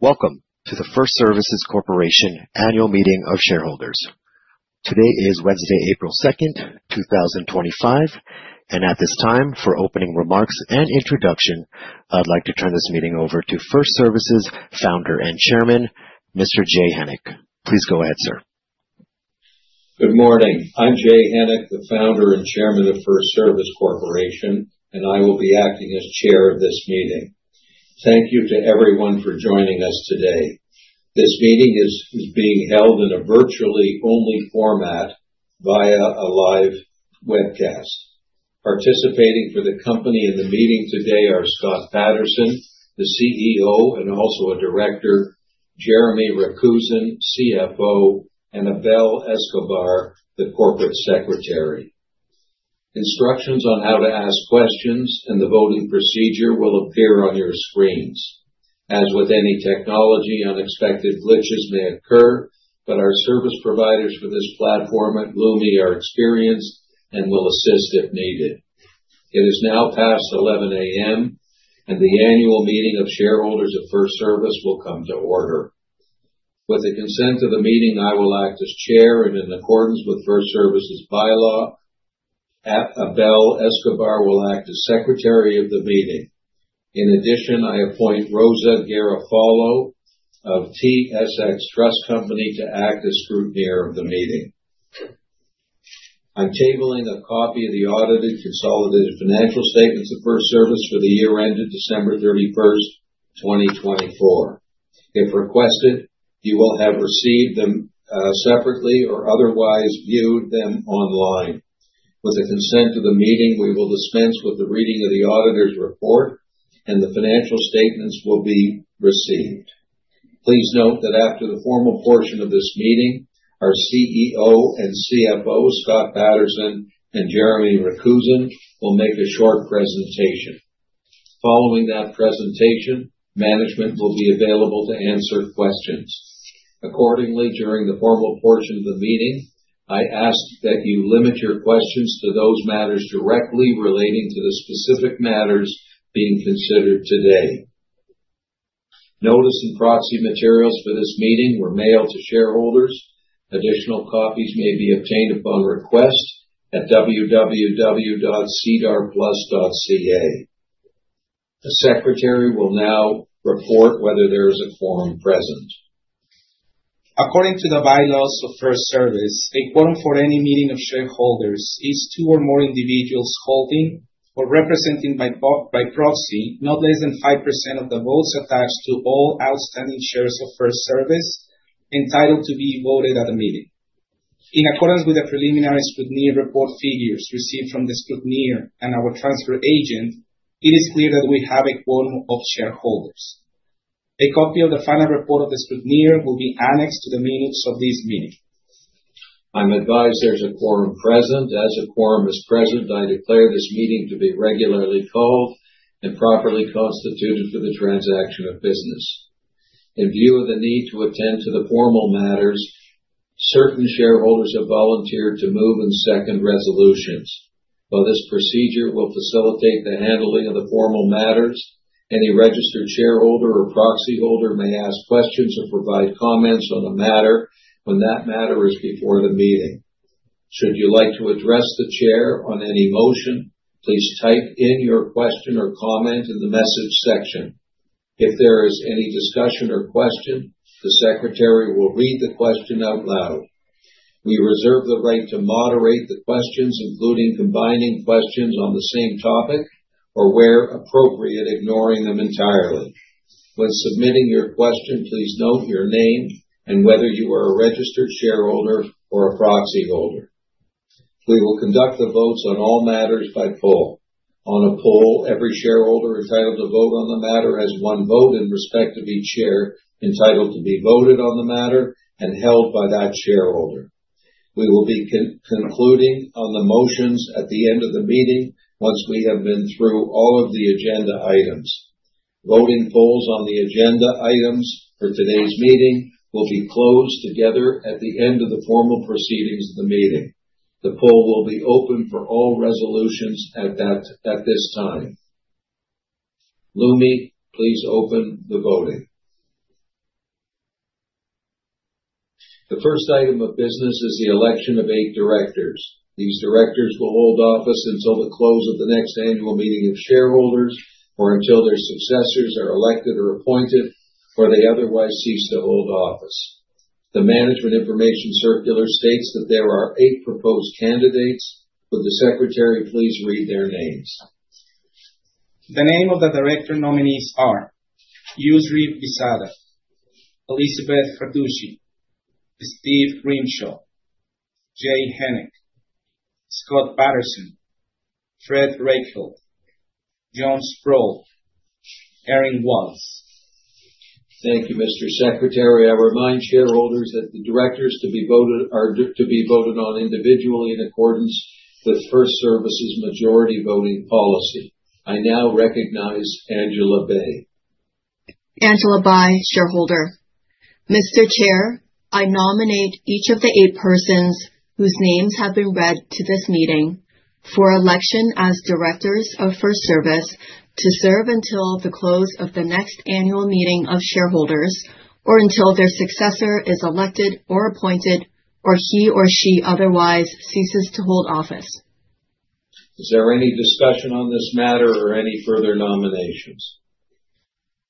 Welcome to the FirstService Corporation Annual Meeting of Shareholders. Today is Wednesday, April second, two thousand twenty-five, and at this time, for opening remarks and introduction, I'd like to turn this meeting over to FirstService founder and chairman, Mr. Jay S. Hennick. Please go ahead, sir. Good morning. I'm Jay Hennick, the founder and chairman of FirstService Corporation, and I will be acting as chair of this meeting. Thank you to everyone for joining us today. This meeting is being held in a virtual-only format via a live webcast. Participating for the company in the meeting today are Scott Patterson, the CEO, and also a director, Jeremy Rakusin, CFO, and Abel Escobar, the corporate secretary. Instructions on how to ask questions and the voting procedure will appear on your screens. As with any technology, unexpected glitches may occur, but our service providers for this platform at Lumi are experienced and will assist if needed. It is now past 11 A.M., and the annual meeting of shareholders of FirstService will come to order. With the consent of the meeting, I will act as chair and in accordance with FirstService's bylaw. Abel Escobar will act as secretary of the meeting. In addition, I appoint Rosa Garofalo of TSX Trust Company to act as scrutineer of the meeting. I'm tabling a copy of the audited consolidated financial statements of FirstService for the year ended December 31, 2024. If requested, you will have received them separately or otherwise viewed them online. With the consent of the meeting, we will dispense with the reading of the auditor's report, and the financial statements will be received. Please note that after the formal portion of this meeting, our CEO and CFO, Scott Patterson and Jeremy Rakusin, will make a short presentation. Following that presentation, management will be available to answer questions. Accordingly, during the formal portion of the meeting, I ask that you limit your questions to those matters directly relating to the specific matters being considered today. Notice and proxy materials for this meeting were mailed to shareholders. Additional copies may be obtained upon request at www.sedarplus.ca. The secretary will now report whether there is a quorum present. According to the bylaws of FirstService, a quorum for any meeting of shareholders is two or more individuals holding or representing by proxy, not less than 5% of the votes attached to all outstanding shares of FirstService entitled to be voted at the meeting. In accordance with the preliminary scrutineer report, figures received from the scrutineer and our transfer agent, it is clear that we have a quorum of shareholders. A copy of the final report of the scrutineer will be annexed to the minutes of this meeting. I'm advised there's a quorum present. As a quorum is present, I declare this meeting to be regularly called and properly constituted for the transaction of business. In view of the need to attend to the formal matters, certain shareholders have volunteered to move and second resolutions. While this procedure will facilitate the handling of the formal matters, any registered shareholder or proxy holder may ask questions or provide comments on the matter when that matter is before the meeting. Should you like to address the Chair on any motion, please type in your question or comment in the message section. If there is any discussion or question, the secretary will read the question out loud. We reserve the right to moderate the questions, including combining questions on the same topic or where appropriate, ignoring them entirely. When submitting your question, please note your name and whether you are a registered shareholder or a proxy holder. We will conduct the votes on all matters by poll. On a poll, every shareholder entitled to vote on the matter has one vote in respect of each share, entitled to be voted on the matter and held by that shareholder. We will be concluding on the motions at the end of the meeting once we have been through all of the agenda items. Voting polls on the agenda items for today's meeting will be closed together at the end of the formal proceedings of the meeting. The poll will be open for all resolutions at that, at this time. Lumi, please open the voting. The first item of business is the election of eight directors. These directors will hold office until the close of the next annual meeting of shareholders or until their successors are elected or appointed, or they otherwise cease to hold office. The Management Information Circular states that there are eight proposed candidates. Will the secretary please read their names? The name of the director nominees are: Yousry Bissada, Elizabeth Carducci, Steve H. Grimshaw, Jay S. Hennick, Scott Patterson, Frederick R. Reichheld, Joan Sproul, Erin J. Wallace. Thank you, Mr. Secretary. I remind shareholders that the directors to be voted on individually in accordance with FirstService's majority voting policy. I now recognize Angela Bai. Angela Bai, shareholder. Mr. Chair, I nominate each of the eight persons whose names have been read to this meeting for election as directors of FirstService, to serve until the close of the next annual meeting of shareholders, or until their successor is elected or appointed, or he or she otherwise ceases to hold office. Is there any discussion on this matter or any further nominations?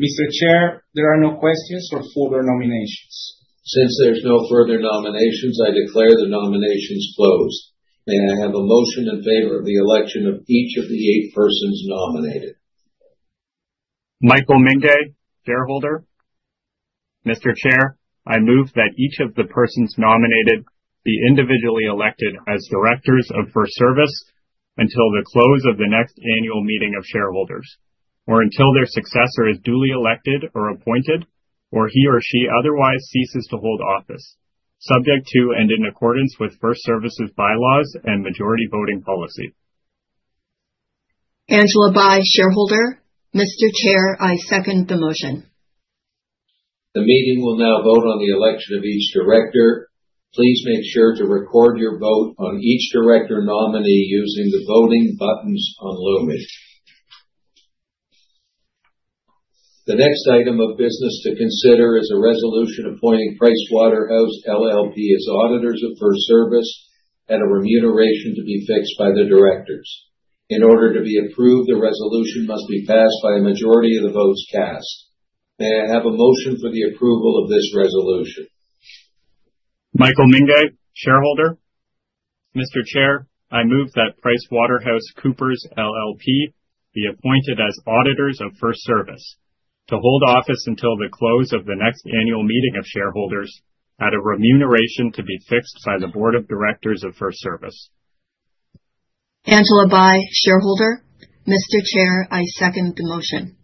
Mr. Chair, there are no questions or further nominations. Since there's no further nominations, I declare the nominations closed. May I have a motion in favor of the election of each of the eight persons nominated? Mr. Chair, I move that each of the persons nominated be individually elected as directors of FirstService until the close of the next annual meeting of shareholders, or until their successor is duly elected or appointed, or he or she otherwise ceases to hold office, subject to and in accordance with FirstService's bylaws and majority voting policy. Mr. Chair, I second the motion. The meeting will now vote on the election of each director. Please make sure to record your vote on each director nominee using the voting buttons on Lumi. The next item of business to consider is a resolution appointing PricewaterhouseCoopers LLP as auditors of FirstService at a remuneration to be fixed by the directors. In order to be approved, the resolution must be passed by a majority of the votes cast. May I have a motion for the approval of this resolution? Michael Mingay, shareholder. Mr. Chair, I move that PricewaterhouseCoopers LLP be appointed as auditors of FirstService, to hold office until the close of the next annual meeting of shareholders at a remuneration to be fixed by the board of directors of FirstService. Mr. Chair, I second the motion.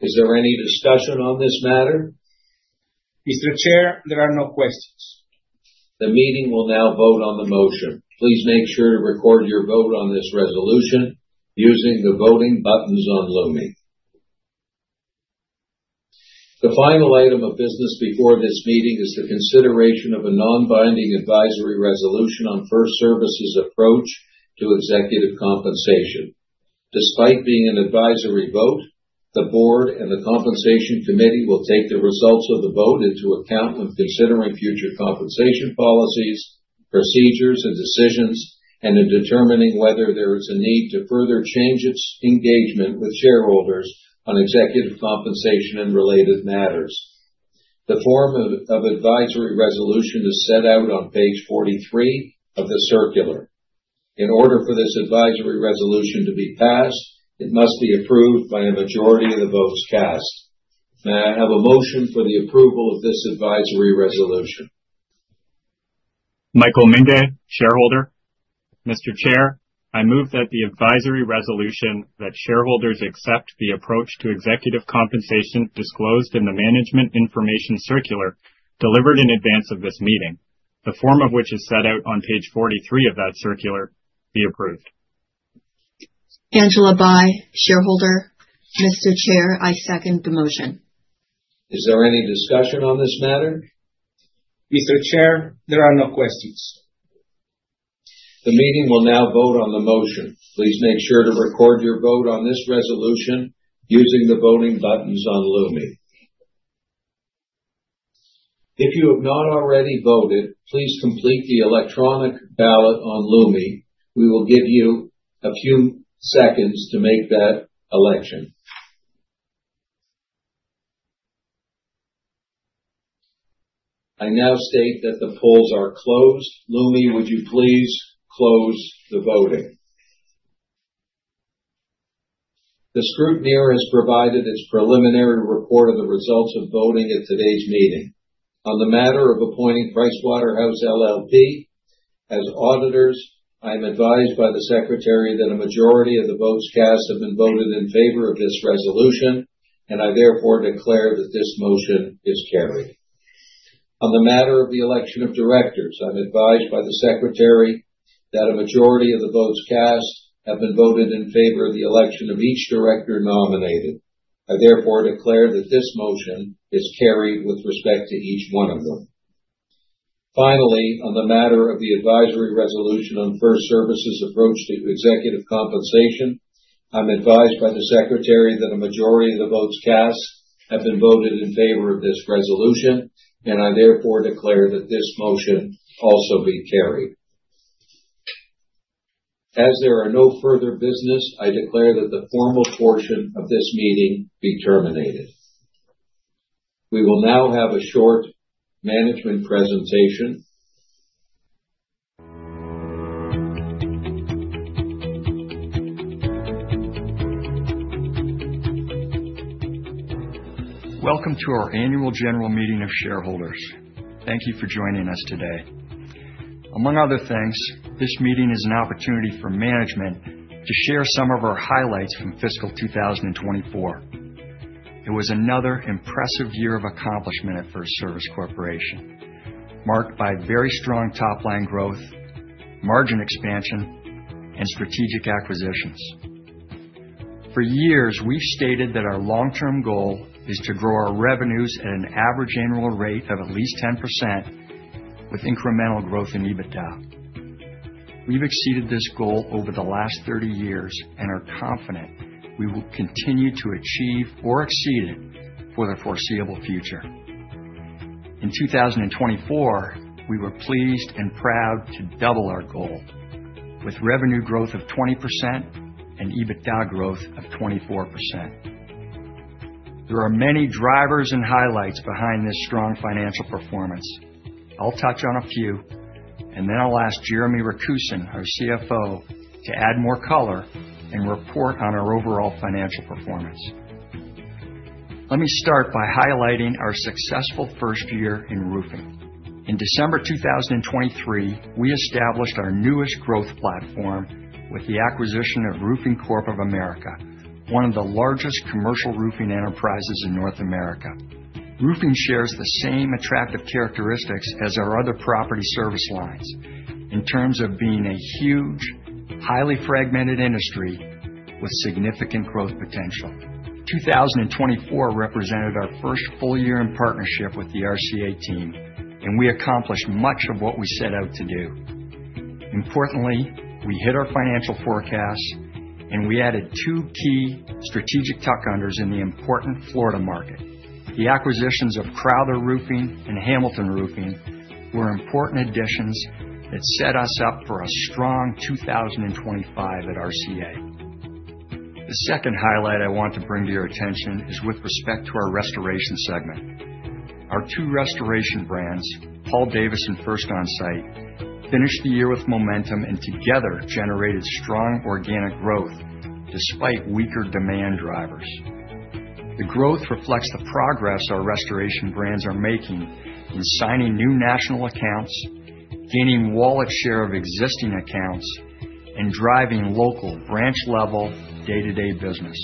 Is there any discussion on this matter? Mr. Chair, there are no questions. The meeting will now vote on the motion. Please make sure to record your vote on this resolution using the voting buttons on Lumi. The final item of business before this meeting is the consideration of a non-binding advisory resolution on FirstService's approach to executive compensation. Despite being an advisory vote, the board and the Compensation Committee will take the results of the vote into account when considering future compensation policies, procedures, and decisions, and in determining whether there is a need to further change its engagement with shareholders on executive compensation and related matters. The form of advisory resolution is set out on page 43 of the circular. In order for this advisory resolution to be passed, it must be approved by a majority of the votes cast. May I have a motion for the approval of this advisory resolution? Michael Mingay, shareholder. Mr. Chair, I move that the advisory resolution that shareholders accept the approach to executive compensation disclosed in the Management Information Circular, delivered in advance of this meeting, the form of which is set out on page 43 of that circular, be approved. Angela Bai, shareholder. Mr. Chair, I second the motion. Is there any discussion on this matter? Mr. Chair, there are no questions. The meeting will now vote on the motion. Please make sure to record your vote on this resolution using the voting buttons on Lumi. If you have not already voted, please complete the electronic ballot on Lumi. We will give you a few seconds to make that election. I now state that the polls are closed. Lumi, would you please close the voting? The scrutineer has provided its preliminary report of the results of voting at today's meeting. On the matter of appointing PricewaterhouseCoopers LLP as auditors, I am advised by the secretary that a majority of the votes cast have been voted in favor of this resolution, and I therefore declare that this motion is carried. On the matter of the election of directors, I'm advised by the secretary that a majority of the votes cast have been voted in favor of the election of each director nominated. I therefore declare that this motion is carried with respect to each one of them. Finally, on the matter of the advisory resolution on FirstService's approach to executive compensation, I'm advised by the secretary that a majority of the votes cast have been voted in favor of this resolution, and I therefore declare that this motion also be carried. As there are no further business, I declare that the formal portion of this meeting be terminated. We will now have a short management presentation. Welcome to our annual general meeting of shareholders. Thank you for joining us today. Among other things, this meeting is an opportunity for management to share some of our highlights from fiscal 2024. It was another impressive year of accomplishment at FirstService Corporation, marked by very strong top line growth, margin expansion, and strategic acquisitions.... For years, we've stated that our long-term goal is to grow our revenues at an average annual rate of at least 10%, with incremental growth in EBITDA. We've exceeded this goal over the last 30 years and are confident we will continue to achieve or exceed it for the foreseeable future. In 2024, we were pleased and proud to double our goal, with revenue growth of 20% and EBITDA growth of 24%. There are many drivers and highlights behind this strong financial performance. I'll touch on a few, and then I'll ask Jeremy Rakusin, our CFO, to add more color and report on our overall financial performance. Let me start by highlighting our successful first year in roofing. In December 2023, we established our newest growth platform with the acquisition of Roofing Corp. of America, one of the largest commercial roofing enterprises in North America. Roofing shares the same attractive characteristics as our other property service lines in terms of being a huge, highly fragmented industry with significant growth potential. 2024 represented our first full year in partnership with the RCA team, and we accomplished much of what we set out to do. Importantly, we hit our financial forecasts, and we added two key strategic tuck-unders in the important Florida market. The acquisitions of Crowther Roofing & Cooling and Hamilton Roofing were important additions that set us up for a strong 2025 at RCA. The second highlight I want to bring to your attention is with respect to our restoration segment. Our two restoration brands, Paul Davis and First Onsite, finished the year with momentum, and together generated strong organic growth despite weaker demand drivers. The growth reflects the progress our restoration brands are making in signing new national accounts, gaining wallet share of existing accounts, and driving local, branch-level, day-to-day business.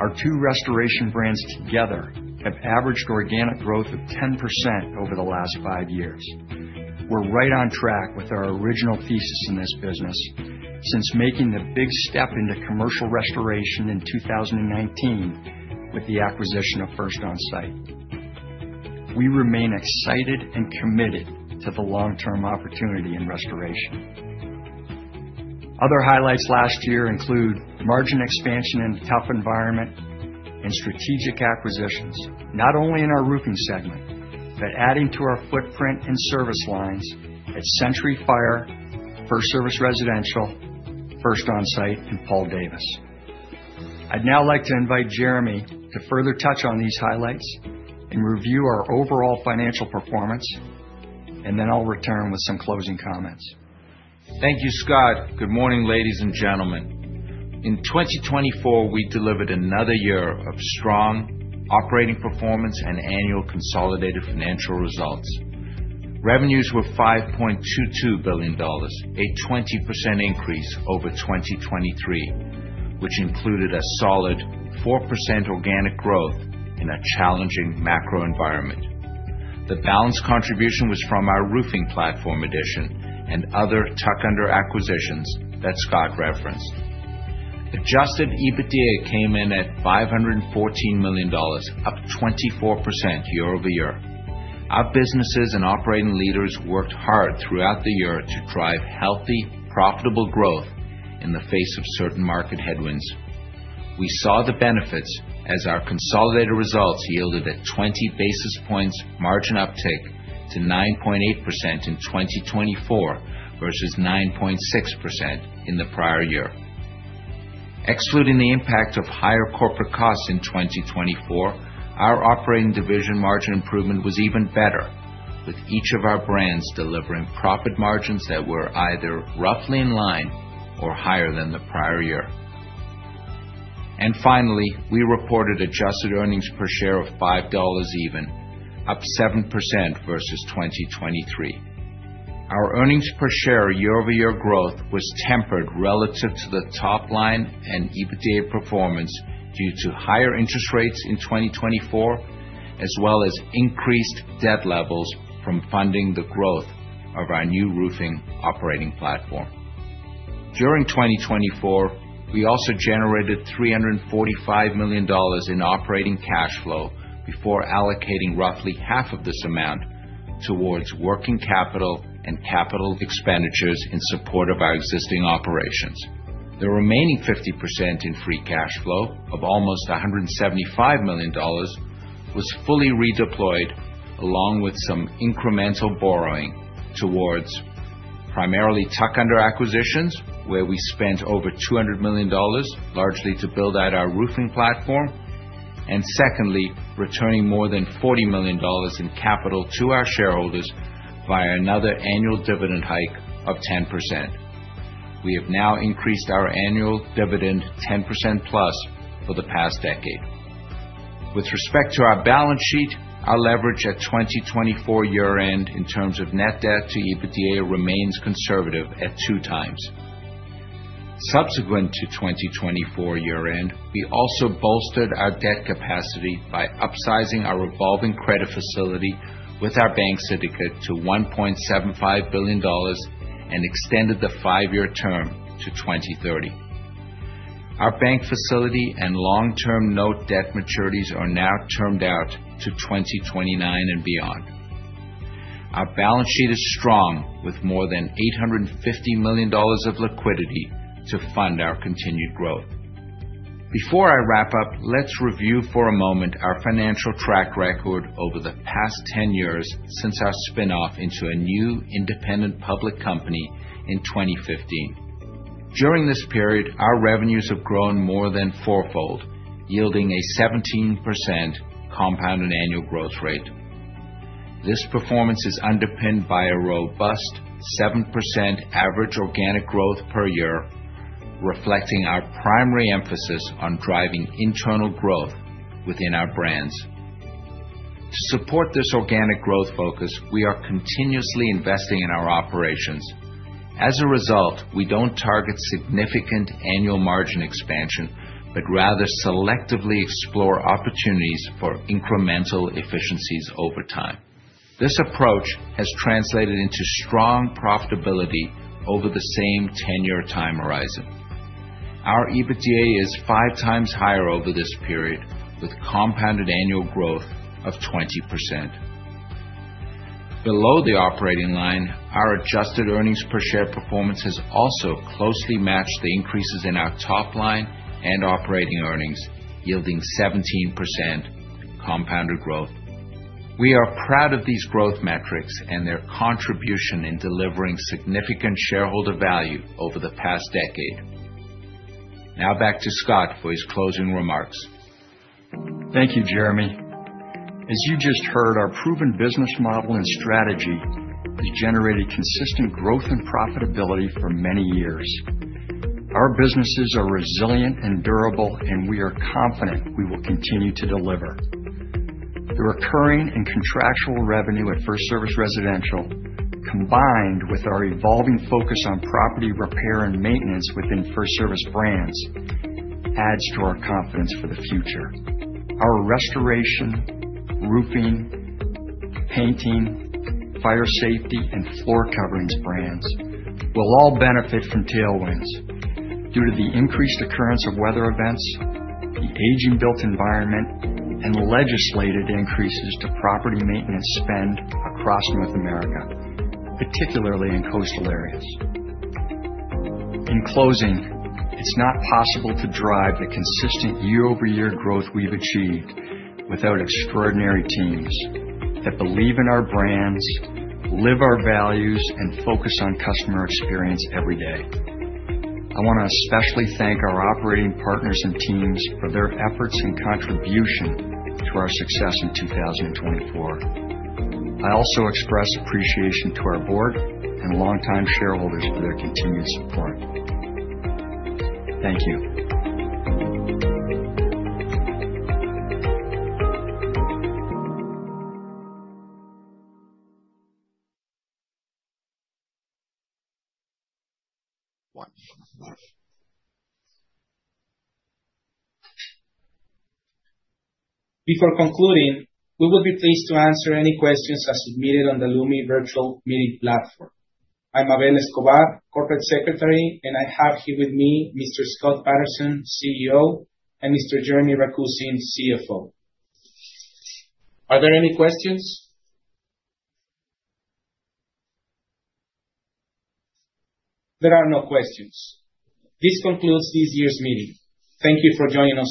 Our two restoration brands together have averaged organic growth of 10% over the last five years. We're right on track with our original thesis in this business since making the big step into commercial restoration in 2019 with the acquisition of First Onsite. We remain excited and committed to the long-term opportunity in restoration. Other highlights last year include margin expansion in a tough environment and strategic acquisitions, not only in our roofing segment, but adding to our footprint and service lines at Century Fire, FirstService Residential, First Onsite, and Paul Davis. I'd now like to invite Jeremy to further touch on these highlights and review our overall financial performance, and then I'll return with some closing comments. Thank you, Scott. Good morning, ladies and gentlemen. In 2024, we delivered another year of strong operating performance and annual consolidated financial results. Revenues were $5.22 billion, a 20% increase over 2023, which included a solid 4% organic growth in a challenging macro environment. The balance contribution was from our roofing platform addition and other tuck-under acquisitions that Scott referenced. Adjusted EBITDA came in at $514 million, up 24% year-over-year. Our businesses and operating leaders worked hard throughout the year to drive healthy, profitable growth in the face of certain market headwinds. We saw the benefits as our consolidated results yielded a 20 basis points margin uptick to 9.8% in 2024 versus 9.6% in the prior year. Excluding the impact of higher corporate costs in 2024, our operating division margin improvement was even better, with each of our brands delivering profit margins that were either roughly in line or higher than the prior year. Finally, we reported adjusted earnings per share of $5 even, up 7% versus 2023. Our earnings per share year-over-year growth was tempered relative to the top line and EBITDA performance due to higher interest rates in 2024, as well as increased debt levels from funding the growth of our new roofing operating platform. During 2024, we also generated $345 million in operating cash flow before allocating roughly half of this amount towards working capital and capital expenditures in support of our existing operations. The remaining 50% in free cash flow of almost $175 million was fully redeployed, along with some incremental borrowing, towards primarily tuck-under acquisitions, where we spent over $200 million, largely to build out our roofing platform, and secondly, returning more than $40 million in capital to our shareholders via another annual dividend hike of 10%. We have now increased our annual dividend 10%+ for the past decade. With respect to our balance sheet, our leverage at 2024 year-end in terms of net debt to EBITDA remains conservative at 2x. Subsequent to 2024 year-end, we also bolstered our debt capacity by upsizing our revolving credit facility with our bank syndicate to $1.75 billion and extended the 5-year term to 2030.... Our bank facility and long-term note debt maturities are now termed out to 2029 and beyond. Our balance sheet is strong, with more than $850 million of liquidity to fund our continued growth. Before I wrap up, let's review for a moment our financial track record over the past 10 years since our spin-off into a new independent public company in 2015. During this period, our revenues have grown more than fourfold, yielding a 17% compounded annual growth rate. This performance is underpinned by a robust 7% average organic growth per year, reflecting our primary emphasis on driving internal growth within our brands. To support this organic growth focus, we are continuously investing in our operations. As a result, we don't target significant annual margin expansion, but rather selectively explore opportunities for incremental efficiencies over time. This approach has translated into strong profitability over the same 10-year time horizon. Our EBITDA is 5x higher over this period, with compounded annual growth of 20%. Below the operating line, our adjusted earnings per share performance has also closely matched the increases in our top line and operating earnings, yielding 17% compounded growth. We are proud of these growth metrics and their contribution in delivering significant shareholder value over the past decade. Now back to Scott for his closing remarks. Thank you, Jeremy. As you just heard, our proven business model and strategy has generated consistent growth and profitability for many years. Our businesses are resilient and durable, and we are confident we will continue to deliver. The recurring and contractual revenue at FirstService Residential, combined with our evolving focus on property repair and maintenance within FirstService brands, adds to our confidence for the future. Our restoration, roofing, painting, fire safety, and floor coverings brands will all benefit from tailwinds due to the increased occurrence of weather events, the aging built environment, and legislated increases to property maintenance spend across North America, particularly in coastal areas. In closing, it's not possible to drive the consistent year-over-year growth we've achieved without extraordinary teams that believe in our brands, live our values, and focus on customer experience every day. I wanna especially thank our operating partners and teams for their efforts and contribution to our success in 2024. I also express appreciation to our board and longtime shareholders for their continued support. Thank you. Before concluding, we will be pleased to answer any questions as submitted on the Lumi Virtual Meeting platform. I'm Abel Escobar, Corporate Secretary, and I have here with me Mr. Scott Patterson, CEO, and Mr. Jeremy Rakusin, CFO. Are there any questions? There are no questions. This concludes this year's meeting. Thank you for joining us today.